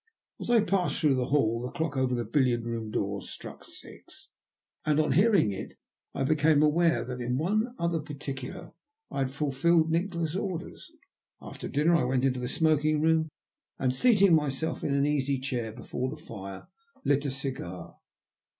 As I passed through the hall the clock over the billiard room door struck six, and on hearing it I became aware that in one other particular I had fulfilled Nikola's orders. After dinner I went into the smoking room, and, seating myself in an easy chair before the fire, lit a cigar.